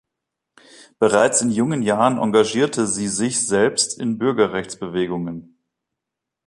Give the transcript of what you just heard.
Bereits in jungen Jahren engagierte sie sich selbst in Bürgerrechtsbewegungen.